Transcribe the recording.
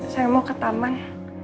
saya mau ke taman